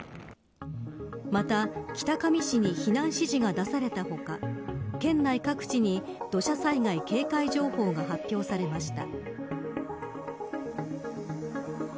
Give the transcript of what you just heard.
また、北上市に避難指示が出された他県内各地に土砂災害警戒情報が発表されました。